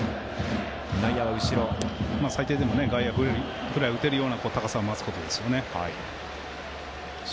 最低でも、外野フライを打てる高さを待つことですよね。